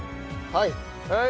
はい！